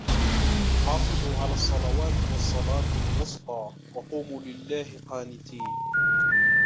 حافظوا على الصلوات والصلاة الوسطى وقوموا لله قانتين